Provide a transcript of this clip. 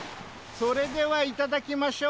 それではいただきましょう。